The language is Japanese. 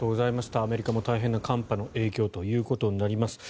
アメリカも大変な寒波の影響ということになります。